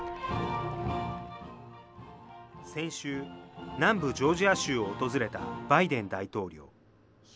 先週、南部ジョージア州を訪れたバイデン大統領。